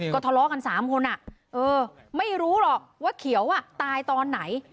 ก็ทะเลาะกัน๓คนไม่รู้หรอกว่าเขียวตายตอนไหน